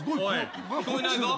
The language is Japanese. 聞こえないぞ。